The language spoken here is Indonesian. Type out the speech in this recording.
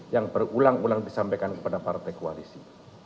yang berulang ulang disampaikan kepada partai koalisi